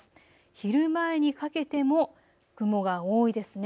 昼前にかけても雲が多いですね。